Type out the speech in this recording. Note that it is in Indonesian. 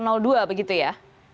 apa begitu ya